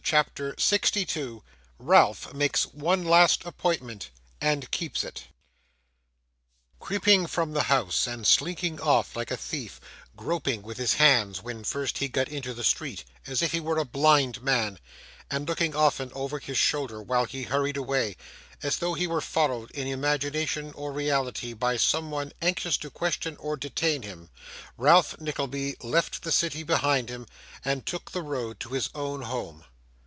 CHAPTER 62 Ralph makes one last Appointment and keeps it Creeping from the house, and slinking off like a thief; groping with his hands, when first he got into the street, as if he were a blind man; and looking often over his shoulder while he hurried away, as though he were followed in imagination or reality by someone anxious to question or detain him; Ralph Nickleby left the city behind him, and took the road to his own home.